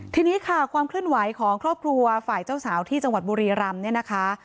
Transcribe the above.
ทีนี้ค่ะความเคลื่อนไหวของครอบครัวฝ่ายเจ้าสาวที่จังหวัดบุรีรำเนี่ยนะคะ